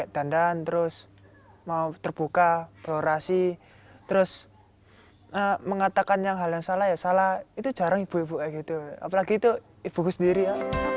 terus mau terbuka berorasi terus mengatakan hal yang salah ya salah itu jarang ibu ibu aja gitu apalagi itu ibu ibu sendiri ya